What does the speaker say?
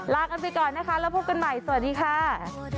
ลากันไปก่อนนะคะแล้วพบกันใหม่สวัสดีค่ะ